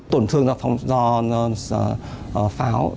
tổn thương do pháo